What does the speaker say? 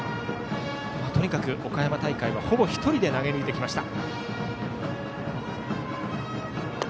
とにかく岡山大会はほぼ１人で投げ抜いてきました。